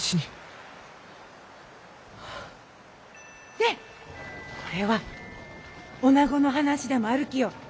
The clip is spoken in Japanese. ねえこれはおなごの話でもあるきよ。